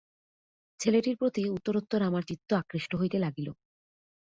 ছেলেটির প্রতি উত্তরোত্তর আমার চিত্ত আকৃষ্ট হইতে লাগিল।